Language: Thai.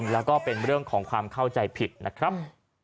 และความ